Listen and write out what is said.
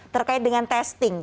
terkait dengan testing